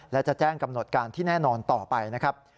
และจะแจ้งกำหนดการที่แน่นอนต่อไปนะครับ